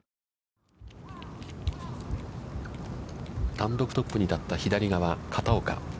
単独トップに立った、左側、片岡。